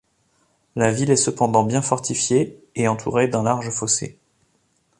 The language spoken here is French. La ville est cependant bien fortifiée et entourée d'un large fossé.